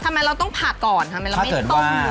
ทำไมเราต้องผักก่อนทำไมเราไม่ต้ม